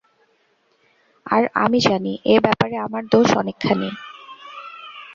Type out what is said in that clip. আর আমি জানি এ ব্যাপারে আমার দোষ অনেকখানি।